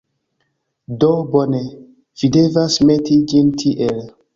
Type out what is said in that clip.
Do, bone, vi devas meti ĝin tiel.